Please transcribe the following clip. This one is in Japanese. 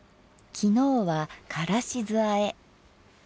昨日は「からし酢あえ」。